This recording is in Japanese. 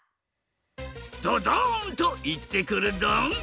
ドドンといってくるドン！